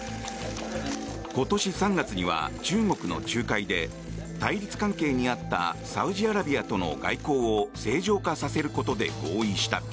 今年３月には中国の仲介で対立関係にあったサウジアラビアとの外交を正常化させることで合意した。